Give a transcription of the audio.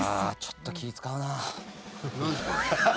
ちょっと気使うな。